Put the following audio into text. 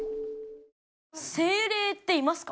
精霊っていますか？